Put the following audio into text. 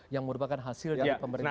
yang merupakan hasil dari pemerintah